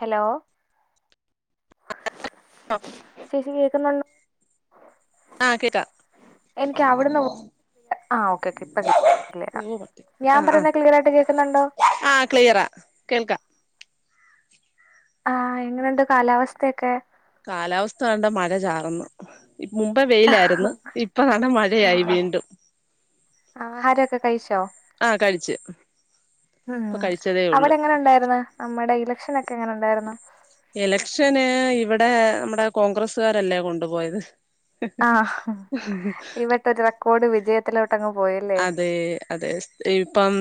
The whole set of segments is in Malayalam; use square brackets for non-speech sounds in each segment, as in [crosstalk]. ഹലോ ചേച്ചി കേക്കുന്നൊ ആ കേക്ക എനിക്ക് അവിടുന്ന് ആ ഓക്കെ ഓക്കെ ഇപ്പ [unintelligible] ക്ലീറാ ഞാൻ പറയുന്ന ക്ലിയർായിട്ട് കേൾക്കുന്നുണ്ടോ ആ ക്ലിയറ കേൾക്കാ ആ എങ്ങനെണ്ട് കാലാവസ്ഥയക്കെ കാലാവസ്ഥ ണ്ട മഴ ചാർന്നു മുമ്പേ ആ വെയിലാര്ന്ന് ഇപ്പൊ തണ്ടെ മഴയായി ആ, വീണ്ടും ഒക്ക കഴിച്ചോ ആഹ് കഴിച്ച് ഉം ഇപ്പൊ കഴിച്ചതേ അവിടെ ഉള്ളു എങ്ങനൊണ്ടാര്ന്ന നമ്മുടെ ഇലക്ഷൻ ഒ ക്കെ എങ്ങനെ ഒണ്ടാരുന്നു എലക്ഷന് ഇവിടെ മ്മടെ കോൺഗ്രസുകാരല്ലേ കൊണ്ടുപോയത് ആ ഇവിട്ടരു റെക്കോർഡ് വിജയത്തിലോ അതെ അതെ ഇപ്പം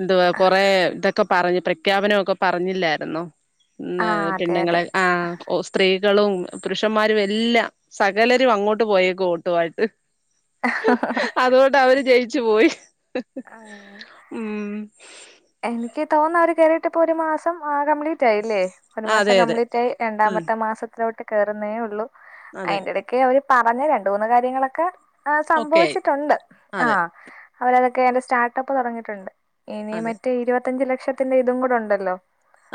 എന്തുവാ കൊറെ ഇതക്ക പറഞ് പ്രഖ്യാപനമൊക്കെ പറഞ്ഞില്ലാരുന്നോ ആ അതെ അതെ പെണ്ണുങ്ങളെ ആ സ്ത്രീ കളും പുരുഷന്മാരും എല്ലാം സകലരും അങ്ങോട്ട് പോയേക്ക ഓട്ടുവായിട്ട് അതുകൊണ്ട് അവര് ജയിച്ചു പോയി ആ ഉം എനിക്ക് തോന്ന അവര് കേറിട്ട് ഇപ്പൊ ഒരു മാസം ആ കംപ്ലീറ്റ് ആയില്ലേ ഒരു മാസം അതെ അതെ കംപ്ലീറ്റ് ആയി ഉം രണ്ടാമത്തെ മാസത്തിലോട്ട് കേറുന്നേ ഉള്ളൂ അതെ അയിന്റെടക്ക് അവര് പറഞ്ഞ രണ്ടുന്ന് കാര്യങ്ങളൊക്കെ ആ ഓക്കെ ആയി സംഭവിച്ചിട്ടുണ്ട് ആ അതെ അവരതൊക്കെ ന്റെ സ്റ്റാർട്ടപ്പ് തുടങ്ങിയിട്ടുണ്ട് ഇനി അതെ മറ്റേ ഇരുപത്തഞ്ച് ലക്ഷത്തിന്റെ ഇതും കൂടെ ഉണ്ടല്ലോ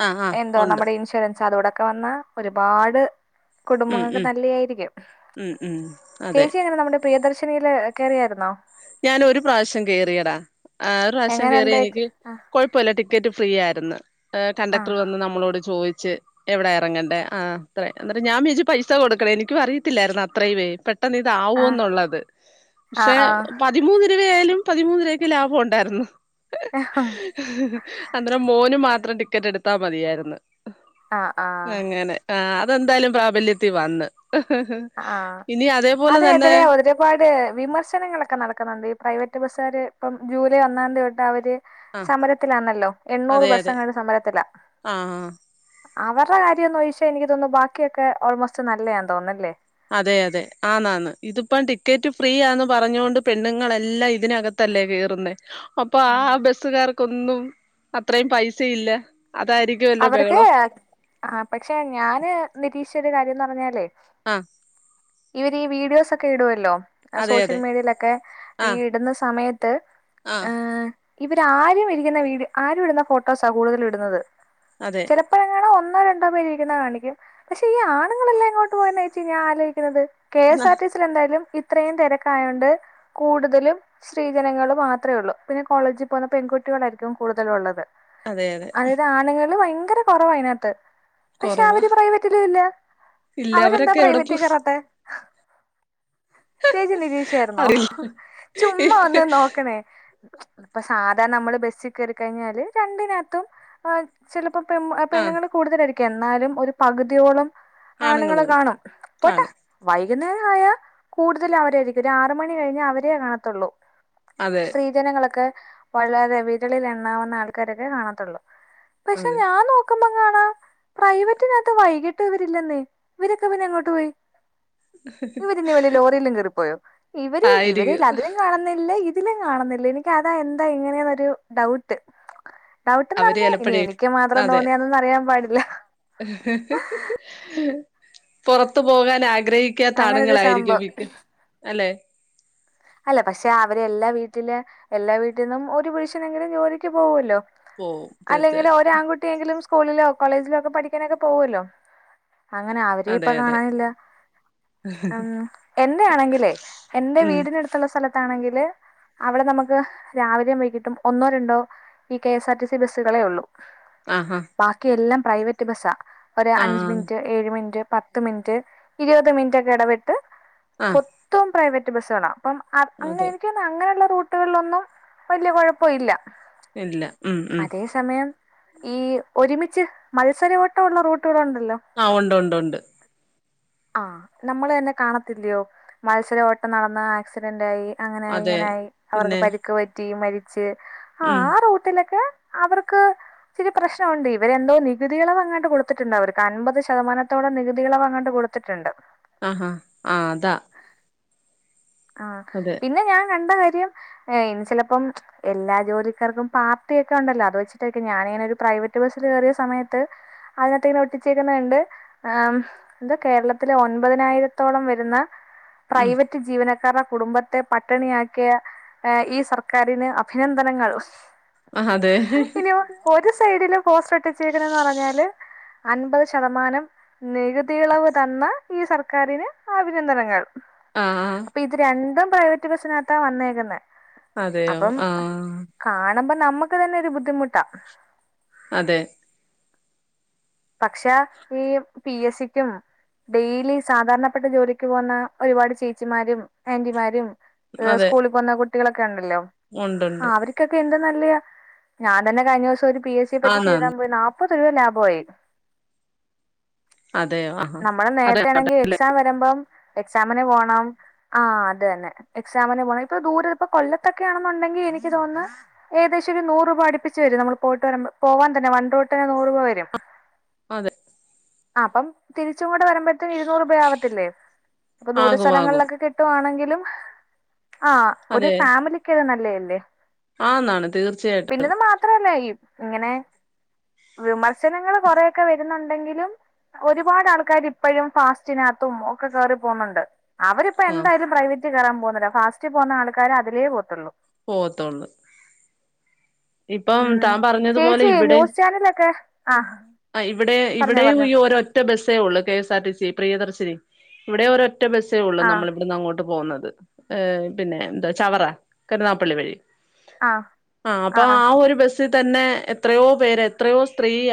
ആഹ് ആഹ് എന്തോ ഉണ്ട് നമ്മുടെ ഇൻഷുറൻസ് അതോടെ ക്ക വന്ന ഒരുപാട് ഉം കുടുംബങ്ങൾക്ക് ഉം നല്ലയായിരിക്കും ഉം ഉം അതെ ചേച്ചിങ്ങനെ നമ്മുടെ പ്രിയദർ നീല് കെറിയാരുന്നോ ഞാൻ ഒരു പ്രാവശ്യം കേറിയടാ ആ ഒരു പ്രാവശ്യം കേറി എങ്ങനെണ്ട് എനിക്ക് കൊഴപ്പമില്ല റ്റി ക്കറ്റ് ഫ്രീ ആരുന്നു ആ കണ്ടക്ടർ ആ വന്ന് നമ്മളോട് ചോ ച്ച് എവിടെ ഇറങ്ങണ്ടേ ആ ത്രേ അന്നേരം ഞാൻ വിയാച് പൈസ കൊടുക്കണേ എനിക്ക് അറിയിത്തില്ലായിരുന്നു അത്രയുവെ പേ ട്ടെന്ന് ആ ഇതാവൂന്നുള്ളത് ആ പക്ഷേ പതിമൂന്ന് രൂപയായാലും പതിമൂന്നിരുപക് ലാഭം ഉണ്ടായിരുന്നു അന്നേരം മോന് മാ ത്രം ടിക്കറ്റ് എടുത്താ മതിയായിരുന്നു ആ ആ ആ അങ്ങനെ ആ അതെന്തായാലും പ്രാബല്യത്തിൽ വന്ന് ആ ഇനി അതേപോലെ തന്നെ അതിനെതിരെ ഒരുപാട് വിമർശനങ്ങളൊക്കെ നട ക്കുന്നുണ്ട് ഈ പ്രൈവറ്റ് ബസ്കാര് ഇപ്പം ജൂലൈ ഒന്നാതീയെതൊട്ട് അവര് ആ സമരത്തിലാണല്ലോ എണ്ണൂറ് അതെ ബസ് അതെ എങ്ങാണ്ട് സമരത്തിലാ ആ ആ അവറെ കാര്യന്നുയിഷ എനിക്ക് തോന്നുന്നു ബാക്കിയൊക്കെ ഓൾമോസ്റ്റ് നല്ലയാന്ന് തോന്ന ല്ലേ അതെ അതെ ആന്നാന്ന് ഇതിപ്പം ടിക്കറ്റ് ഫ്രീ ആന്ന് പറഞ്ഞൊണ്ട് പെണ്ണുങ്ങളെല്ലാം ഇ തിനകത്തല്ലേ കേറുന്നേ അപ്പൊ ആ ബസ്സുകാർ ക്കൊന്നും അത്രേം പൈസയില്ല അതായിരിക്കുവല്ലോ അവർക്ക് ബഹളം ആ പക്ഷെ ഞാന് നിരീഷ ഒരു കാര്യംന്ന് പറഞ്ഞാലേ ആ ഇവര് ഈ വീഡിയോസ് ഒക്കെ ഇടുവല്ലോ? അതെ സോഷ്യൽ അതെ മീഡിയയിലൊക്കെ, ഈ ഇടുന്ന സമയത്ത് ആ. ഇവര് ആരും ഇരിക്കുന്ന വി ആരും ഇടുന്ന ഫോട്ടോസാ കൂടുതൽ ഇടുന്നത്. അതെ ചിലപ്പോഴങ്ങ ഒ ഒന്നോ, രണ്ടോ പേര് ഇരിക്കുന്ന കാണിക്കും. പക്ഷെ ഈ ആണുങ്ങളെല്ലാം എങ്ങോട്ട് പോയന്നച്ചി ഞാൻ ആലോചിക്കണത്. കെ. എസ്. ആർ. ആഹ് ടി. സി. യിൽ എന്തായാലും. ഇ ഇത്രയും തിരക്കായോണ്ട്, കൂടുതലും സ്ത്രീജനങ്ങൾ മാത്രമേ ഉള്ളൂ. പിന്നെ കോളേജിൽ പോണ പെൺകുട്ടി കളായിരിക്കും കൂടുതൽ ഉള്ളത്. അതെ അതെ അതില് ആണുങ്ങൾ ഭയങ്കര കുറവാ അതിനകത്ത്. പക്ഷെ, കൊറവാ അവര് പ്രൈവറ്റില് ഇല്ല. ഇല്ല അവരെന്താ അവരൊക്കെ എവിടെ പോ പ്രൈവറ്റിൽ കയറാത്തെ? ചേച്ചി നിരീക്ഷായിരുന്നോ? അറിയില്ല ചുമ്മാ ഒന്ന് നോക്കണേ? ഇപ്പൊ സാധാര നമ്മള് ബസിൽ കയറിക്കഴിഞ്ഞാല് രണ്ടിനകത്തും ചില ഇപ്പ പെമ്, ആഹ് പെണ്ണുങ്ങൾ കൂടുതലായിരിക്കും. എന്നാലും ഒരു പകുതിയോളം ആണുങ്ങൾ ആണുങ്ങള് കാണും. പോട്ടെ കാണും വൈ വൈകുന്നേരം ആയാൽ കൂടുതലും അവരയിരിക്കും. ഒരു ആറ് മണി കഴിഞ്ഞാൽ അവരേ കാണത്തൊള്ളൂ. അതെ സ്ത്രീ ജനങ്ങളൊക്കെ, വളരെ വിരളിൽ എണ്ണാവുന്ന ആൾക്കാരൊക്കെ കാണത്തുള്ളൂ. പക്ഷെ, അതെ ഞാൻ നോക്കുമ്പോ [unintelligible] പ്രൈവറ്റിനകത്ത് വൈകിട്ട് ഇവരില്ലെന്നേ! ഇവരൊക്കെ പിന്നെ എങ്ങോട്ട് പോയി? ഇവരി ഇനി വല്യ ലോറിയിലും കേറിപ്പോയോ? ഇവര് ഇവരെ, ആയിരിക്കും ലതിലും കാണുന്നില്ല. ഇതി ഇതിലും കാണുന്നില്ല. എനിക്കതാ എന്താ ഇങ്ങനെന്നൊരു ഡൗട്ട്. അവര് ഡൗട്ട്ന്നറഞ്ഞ ഇനി ചെലപ്പഴേ എനി എനിക്ക് മാത്രം തോന്നിയാന്നറിയാൻ പാടില്ല. [unintelligible] പുറത്ത് പോകാനാക ആഗ്രഹിക്കാത്ത അങ്ങനൊരു ആണുങ്ങളായിരിക്കും സംഭവം മിക്കതും അല്ലെ? അല്ല. പക്ഷെ, അവര് എല്ലാ വീട്ടില്, എല്ലാ വീട്ടിൽ നിന്നും ഒരു പുരുഷനെങ്കിലും ജോലിക്ക് പോവൊല്ലോ? പോവും അല്ലെങ്കിൽ തീർച്ചയായിട്ടും ഒരാൺകുട്ടിയെങ്കിലും സ്കൂളിലോ, കോളേജിലോ, ഒക്കെ പഠിക്കാനൊക്കെ പോവല്ലോ!. അങ്ങനെ അവരെ ഇപ്പ അതെ അതെ കാണാനില്ല. ഉം. എന്റെ ആണെങ്കിലേ, എൻ്റെ ഉം വീടിനടുത്തുള്ള സ്ഥലത്താണെങ്കില് അവിടെ നമുക്ക് രാവിലെയും, വൈകിട്ടും ഒന്നോ, രണ്ടോ ഈ കെ സാർ ടി സി ബസ്സുകളേ ഉള്ളൂ. ആഹാ ബാക്കി എല്ലാം പ്രൈവറ്റ് ബസ്സാ. ഒരു അഞ്ച് ആഹ് മിനിറ്റ്, ഏഴ് മിനിറ്റ് പത്ത് മിനിറ്റ്, ഇരുപത് മിനിറ്റ് ഒക്കെ ഇടവിട്ട്, ആഹ് മൊത്തവും പ്രൈവറ്റ് ബസ്സ്‌കളാ. അ, അങ്ങനെ അതെ എനിക്ക് തോന്നു, അങ്ങനെയുള്ള റൂട്ടുകളിലൊന്നും വലിയ കുഴപ്പം ഇല്ല. ഇല്ല. ഉം ഉം. ഈ, ഒരുമിച്ച് മത്സര ഓട്ടംമുള്ള റൂട്ടുകളുണ്ടല്ലോ? ണ്ടു ണ്ട്. ആ. നമ്മള് തന്നെ കാണത്തില്ലയോ? മത്സര ഓട്ടം നടന്ന ആക്സിഡന്റ് ആയി അങ്ങനെയായി, അതെ ഇങ്ങനെയായി, അവർക്ക് പിന്നെ പരിക്ക് പറ്റി, മരിച്ച് ആ ഉം ആ റൂട്ടിലൊക്കെ അവർക്ക് ച്ചിരി പ്രശ്നവുണ്ട്. ഇവരെന്തോ, നികുതി ഇളവങ്ങാണ്ട് കൊടുത്തിട്ടുണ്ട് അവർക്ക്. അൻമ്പത് ശതമാനത്തോളം നികുതിളവങ്ങാണ്ട് കൊടു ആഹാ ആഹ് അതാ ആ. അതെ പിന്നെ ഞാൻ കണ്ട കാര്യം [unintelligible] ര്യം ഏയ് ചിലപ്പം, എല്ലാ ജോലിക്കാർക്കും പാർട്ടി ഒക്കെ ഉണ്ടല്ലോ? അത് വെച്ചിട്ടൊക്കെ, ഞാനങ്ങനെ ഒരു പ്രാക് പ്രൈവറ്റ് ബസ്സിൽ കയറിയ സമയത്ത് അതിനകത്ത് ഇങ്ങനെ ഒട്ടിച്ചേക്കുന്നത്കണ്ട്. ഏ, എന്താ, കേരളത്തിലെ ഒൻപതിനായിരത്തോളം വരുന്ന ഉം പ്രൈവറ്റ് ജീവനക്ക [unintelligible] [unintelligible] കുടുംബത്തെ പട്ടിണിയാക്കിയ, ഈ സർക്കാരിന് അഭിനന്ദനങ്ങൾ. ആ അതെ ഇനി ഒരു, ഒരു സൈഡിലും പോസ്റ്റ്ർ ഒട്ടിച്ചേക്കണന്ന് പറഞ്ഞാല് അൻപത് ശതമാനം നികുതിയിളവ് തന്ന ഈ സർക്കാരിന് അഭിനന്ദനങ്ങൾ. ആാാ [unintelligible] അപ്പൊ ഇത് രണ്ടും, പ്രൈവറ്റ് ബസ്സിനകത്താ വന്നേക്കുന്നേ. അതെയോ? ആാാ. [unintelligible] മ്പം നമ്മുക്ക് തന്നെ ഒരു ബുദ്ധിമുട്ടാ. അതെ. പക്ഷെ, ഈ പി. എസ്. സിക്കും ഡെയിലി സാധാരണപ്പെട്ട ജോലിക്ക് പോന്ന ഒരുപാട് ചേച്ചിമാരും ആന്റിമാരും അതെ സ്കൂളിൽ പോന്ന കുട്ടികളൊക്കെ ഉണ്ടല്ലോ ഉണ്ടുണ്ട് ആ അവർക്കൊക്കെ എന്ത [unintelligible] ഞാൻ തന്നെ കഴിഞ്ഞ ദിവസം ഒരു പി. എസ്. സി പരീക്ഷ ആന്നാന്ന് എഴുതാൻ പോയി, നാൽപ്പത് രൂപ ലാഭമായി. അതെയോ ആഹാ നമ്മള് അതെ നേരത്ത ആണെങ്കി, എക്സാം വരുമ്പം എക്സാമിന് പോണം ആഹ അത്തന്നെ എക്സാമിന് പോണം ഇപ്പൊ ദൂര ഇപ്പൊ കൊല്ലത്തൊക്കെയാണെന്നുണ്ടെങ്കിൽ എനിക്ക് തോന്നുന്നു ഏത അ നൂറ രൂപ അടിപ്പിച്ചച്ച് വര നമ്മ പോയി പോവാൻന്നെ വൺറോട്ടെ നൂറ് രൂപ വരും അതെ അപ്പം തിരിച്ച ഇവിടെ വരുമ്പോത്തേക്ക് ഇരുന്നൂർ രൂപ അകത്തില്ലേ അപ്പൊ ദൂരെ ആകും സ്ഥലങ്ങളിൽ ആകും ഒക്കെ കിട്ടുവാണെങ്കിൽ ആ ഒരു അതെ ഫാമിലിക്ക്ത് നല്ലതല്ലേ ആന്നാണ് തീർച്ചയായിട്ടും പിന്നെത് മാത്രല്ല ഈ ഇങ്ങനെ വിമർശനങ്ങൾ കൊറേ ണ്ടെങ്കിലും ഒരുപാട് ആൾക്കാർ ഇപ്പോഴും ഫാസ്റ്റിനകത്തും ഒക്കെ കേറി പോകുന്നുണ്ട് അവരിപ്പ എന്തായാലും പ്രൈവറ്റ് കയറൻ പോകുന്നില്ല ഫാസ്റ്റ് പോകുന്ന ആൾക്കാരെ അതിലേ പോത്തുള്ളൂ പോത്തോള്ളു ഇപ്പം ഉം താൻ പറഞ്ഞതുപോലെ ചേച്ചി ഇവിടെ ന്യൂസ് ചാനലൊക്കെ ആഹ് ഇവിടെ പറഞ്ഞോ ഇവിടെയും പറഞ്ഞോ ഒരൊറ്റ ബസ്സേ ഉള്ളൂ കെഎസ് ആർ ടിസി പ്രിയദർശിനി ഇവിടെ ഓരോ ഒറ്റ ബസ്സേ ഉള്ളൂ ആഹ് നമ്മൾ ഇവിടുന്ന് അങ്ങോട്ട് പോകുന്നത് ഏ പിന്നെ എന്താ ചവറ കരുനാപ്പള്ളി വഴി ആഹ് ആ അപ്പൊ ആഹ് ആ ഒരു ബസ്സ് തന്നെ എത്രയോ പേര് എത്രയോ സ്ത്രീയ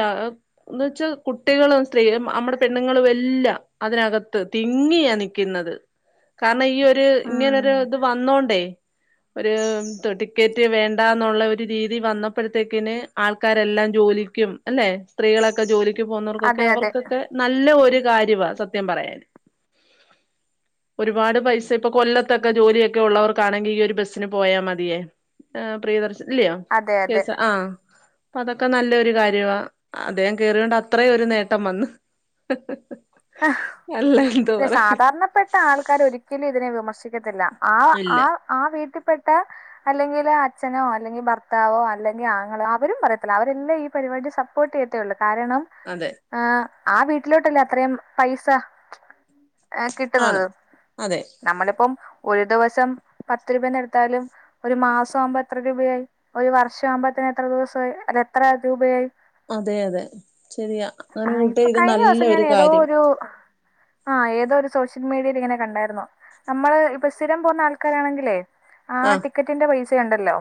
എന്ന് വെച്ചാൽ കുട്ടികളും സ്ത്രീ നമ്മടെ പെണ്ണുങ്ങളും എല്ല അതിനകത്ത് തിങ്ങിയാ നിക്കുന്നത് കാരണം ഈ ഒരു ഇങ്ങനോരു ഉം ഇത് വന്നോണ്ടേ ഒരു ടിക്കറ്റ് വേണ്ടന്നുള്ള ഒരു രീതി വന്നപ്പോഴത്തേക്കിന് ആൾക്കാരെല്ലാം ജോലി ക്കും അല്ലെ സ്ത്രീകളൊക്കെ ജോലിക്ക് പോകുന്നവർക്കൊക്കെ അതെ അതെ അവർക്കൊക്കെ നല്ല ഒരു കാര്യമാണ് സത്യം പറയാൻ ഒരുപാട് പൈസ ഇപ്പൊ കൊല്ലത്തൊക്കെ ജോലിയൊക്കെ ഉള്ളവർക്കാണെങ്കിൽ ഈ ഒരു ബസ്സ് ന് പോയാ മതിയേ പ്രിയദർശൻ ഇല്ലയോ അതെ അതെ കേസ ആഹ അപ്പ അതൊക്കെ നല്ലൊരു കാര്യമാണ് അദ്ദേഹം കേയറോണ്ട് അത്രയും ഒരു നേട്ടം വന്ന് ആ അല്ല എന്തോ പി പറയ സാധാരണപ്പെട്ട ആൾക്കാർ ഒരിക്കലും ഇതിനെ വിമർശിക്കത്തില്ല ആ ഇല്ല ആ ആ വീട്ടിൽ ട്ട അല്ലെങ്കിൽ അച്ഛനോ അല്ലെങ്കിൽ ഭർത്താവോ അല്ലെങ്കിൽ ആങ്ങളോ അവരും പറയത്തില്ല അവരെല്ലാം ഈ പരി പ സപ്പോർട്ടചെയ്യത്തേള്ളു കാരണം അതെ ആഹ ആ വീട്ടിലോട്ടല്ലേ അത്രയും പൈസ ഏ ആണ് കിട്ടുന്നത് അതെ നമ്മളിപ്പം ഒരു ദിവസം പത്ത് രൂപന്ന എടുത്താലും ഒരു മാസം ആവുമ്പോ എത്ര രൂപയായി ഒരു വർഷം ആവുമ്പോത്ര എത്ര ദിവസമായി അതത്ര രൂപയായി അതെ അതെ ശെരിയാ അങ്ങനെ ആഹ് കൂട്ട ഇപ്പൊ ഇത് കഴിഞ്ഞ നല്ല ഒരു കാര്യം ആഹ ഏതോ ഒരു സോഷ്യൽ മീഡിയയിൽ ഇങ്ങനെ കണ്ടായിരുന്നു നമ്മള് ഇപ്പൊ സ്ഥിരം പോകുന്ന ആൾക്കാരാണെങ്കിലേ ആ ആഹ് ടിക്കറ്റിന്റെ പൈസ ഉണ്ടല്ലോ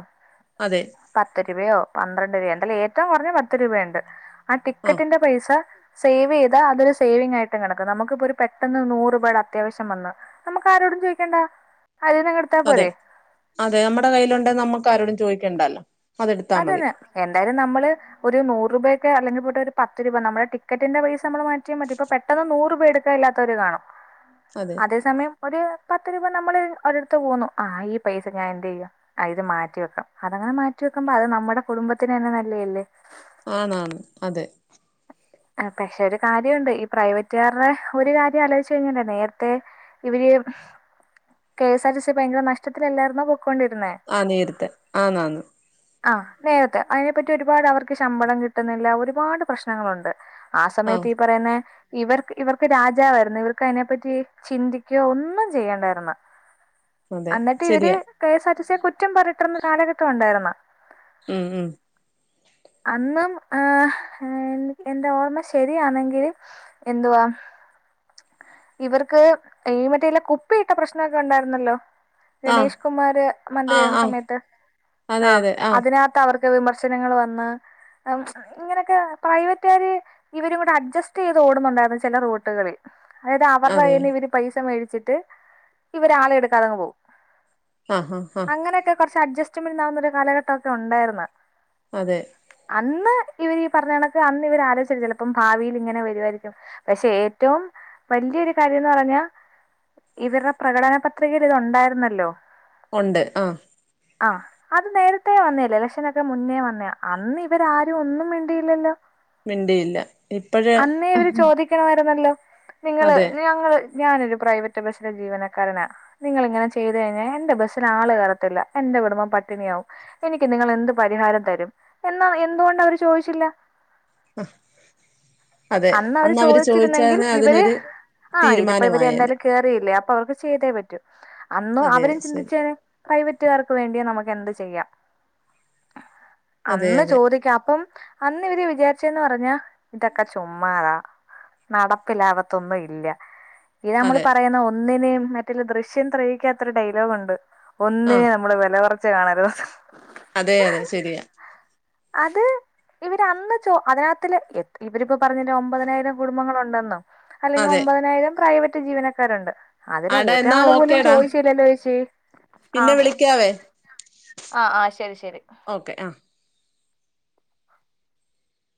അതെ പത്ത് രൂപയോ പന്ത്രണ്ട് രൂപ എന്താല ഏറ്റവും പറഞ്ഞ പത്ത് രൂപയുണ്ട് ആ ആഹ് ടിക്കറ്റിന്റെ പൈസ സേവ് ചെയ്താ അതോരു സേവിംങ് ആയിട്ട് കി നമുക്കിപ്പൊ ഒരു പെട്ടന്ന് നൂറ്പയുടെ അത്യാവശ്യം വന്ന് നമുക്ക് ആരോടും ചോദിക്കേണ്ട അതെ അതെ നമ്മുടെ കയ്യിലുണ്ട നമ്മുക്ക ആരോടും ചോദിക്കണ്ടല്ലോ അതെടുത്താ മതി അതന്നെ എന്തായാലും നമ്മള് ഒരു നൂറ് രൂപക്കെ അല്ലെങ്കിൽ പോയിട്ട് ഒരു പത്ത് രൂപ നമ്മുടെ ടിക്കറ്റിന്റെ പൈസ നമ്മ മാറ്റ പറ്റ ഇപ്പ പെട്ടെന്ന് നൂറ്പ എടുക്കാല്ലാത്തവര് കാണും അതെ അതേസമയം ഒരു പത്ത് രൂപ നമ്മൾ ഒരിടത്ത് പോന്നുന്നു ആ ഈ പൈസ ഞാൻ എന്ത ചെയ്യ ഇത് മാറ്റിവ വെക്കാം അതങ്ങനെ മാറ്റി വെക്കാം ക്കമ്പം അത് നമ്മുടെ കുടുംബത്തിന് തന്നെ നല്ലേല്ലേ ആണാണ് അതെ പക്ഷെ ഒരു കാര്യമുണ്ട് ഈ പ്രൈവറ്റുകാരുടെ ഒരു കാര്യം ആലോചിച്ചു കഴിഞ്ഞല്ലേ നേരത്തെ ഇവര് K S R T C ഭയങ്കര നഷ്ടത്തിലല്ലായിരുന്ന ആഹ നീരത്ത ആന്നാന്ന് അ നേരത്തെ അതിനെപ്പറ്റി ഒരുപാട് അവർക്ക് ശമ്പളം കിട്ടുന്നില്ല ഒരുപാട് പ്രശ്നങ്ങളുണ്ട് ആ സമയത്ത് ആഹ് ഈ പറയുന്നെ ഇവർക്ക് ഇവർക്ക് രാജാവായിരുന്നു ഇവർക്ക് അതിനെപ്പറ്റി ചിന്തിക്കയോ ഒന്നും ചെയ്യണ്ടായിരുന്ന അതെ എന്നിട്ട് ഇവര് ശരിയാ കെഎസ് ആർ ടി സിയ കുറ്റം പറഞ്ഞട്ടിരുന്ന കാലഘട്ടം ഉണ്ടായിരുന്ന ഉം ഉം [inaudible] അന്നും ഹെ യെ എൻ്റെ ഓർമ്മ ശരിയാണെങ്കിൽ എന്വാവ ഇവർക്ക് ഈ മറ്റെല്ല കുപ്പിയിട്ട പ്രശ്നമൊക്കെ ഉണ്ടായിരുന്നല്ലോ ആഹ് ഗണേഷ് കുമാര് ആഹ് മന്ത്രിയായിരുന്ന ആഹ് സമയത്ത് അതെ ആ അതെ ആഹ് അതിനകത്ത് അവർക്ക് വിമർശനങ്ങൾ വന്ന് ഇങ്ങനെയൊക്കെ പ്രൈവറ്റുകാര് ഇവരും കൂടെ അഡ്ജസ്റ്റ് ചെയ്ത് ഓടുന്നുണ്ടായിരുന്നു ചില റൂട്ടുകളിൽ അതായത് അവരുടെ അതെ കയ്ന്ന് ഇവര് പൈസ മേടിച്ചിട്ട് ഇവര് ആളെ എടുക്കാതങ് പോകും ആ ഹആ പക്ഷെ അഡജസ്മെന്റ് ആവുന്നൊരു കാലഘട്ടമക്കെ ഉണ്ടായിരന്ന് അതെ അന്ന് ഇവർ ഈ പറഞ്ഞ കണക്ക് അന്ന് ഇവർ ആലോചി ചിലപ്പോം ഭാവിയിൽ ഇങ്ങനെ വരുമായിരിക്കും പക്ഷെ ഏറ്റവും വലിയരു കാര്യംന്ന് പറഞ്ഞാ ഇവരുടെ പ്രകടന പത്രികൽ ഇത് ഉണ്ടായിരുന്നല്ലോ ഉണ്ട് ആ അ അത് നേരത്തെേ വന്നേ ല ലക്ഷനൊക്കെ മുന്നേ വന്നേ അന്ന് ഇവരാരും ഒന്നും മുണ്ടിയില്ലല്ലോ മിണ്ടിയില്ല ഇപ്പഴ് അന്ന ഇവര് ചോദിക്കണമായിരുന്നല്ലോ നിങ്ങള് അതെ ഞങ്ങള് ഞാനൊരു പ്രൈവറ്റ് ബസ്സിലെ ജീവനക്കാരനാ നിങ്ങ ഇങ്ങനെ ചെയ്ത് കഴിഞ്ഞാൽ എന്റെ ബസ്സിൽ ആള് കറത്തില്ല ന്റെ കുടുംബം പട്ടിണിയ ആവും എനിക്ക് നിങ്ങ എന്ത് പരിഹാരം തരും എന്നാ എന്തുകൊണ്ട് അവർ ചോദിച്ചില്ല അതെ അന്നവര് അന്ന് അവര് ചോദിച്ചിരുന്നെങ്കിൽ ചോദിച്ചായിരുന്നെ ഇവര് അതിനൊരു ആ ഇതിപ്പോ ഇവര് തീരുമാനമായേനെ എന്തായാലും കേറിയില്ലേ അ അവർക്ക് ചെയ്തേ പറ്റൂ അന്നും അതെ അവരും ശരി ചിന്തിച്ചേനെ പ്രൈവറ്റുകാർക്ക് വേണ്ടിയ നമുക്ക് എന്ത് ചെയ്യാം അതെ അന്ന് അതെ ചോദിക്കാം അപ്പം അന്ന് ഇവര് വിചാരിച്ചന്ന് പറഞ്ഞാ ഇതൊക്കെ ചുമ്മാറാ നടപ്പ ലാവത്തൊന്നും ഇല്ല ഇതാ നമ്മൾ അതെ പറയുന്ന ഒന്നിനേ മറ്റുള്ള ദൃശ്യം ത്രീക്കക്കാത്തൊരു ഡയലോഗണ്ട് ആഹ് ഒന്നിനെ നമ്മള് വില കുറച്ച് കാണരുത് അതെ അതെ ശരിയാ അത് ഇവര്ന്ന് ചോ അതിനകത്തി ഇവരിപ്പോ പറഞ്ഞട്ട ഒമ്പതിനായിരം കുടുംബങ്ങള ഉണ്ടെന്നോ അല്ലെങ്കിൽ അതെ ഒമ്പതിനായിരം പ്രൈവറ്റ് ജീവനക്കാരുണ്ട് അതില ആടാ എന്നാ ഒരാള് പോലും ഓക്കേടാ ചോയിച്ചില്ലല്ലോച്ചി ആ പിന്നെ വിളിക്കാവേ ആ ആ ശരി ശരി ഓക്കെ ആഹ്